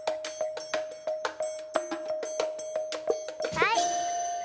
はい！